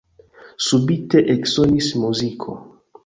Subite eksonis muziko!